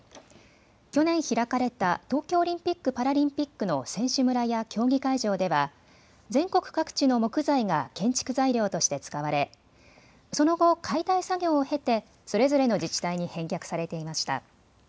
去年、開かれた東京オリンピック・パラリンピックの選手村や競技会場では全国各地の木材が建築材料として使われその後、解体作業を経てそれぞれの自治体に返却されていました。